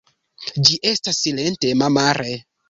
Ĝi estas silentema mare.